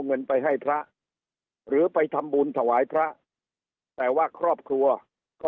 เงินไปให้พระหรือไปทำบุญถวายพระแต่ว่าครอบครัวก็